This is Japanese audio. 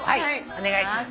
お願いします。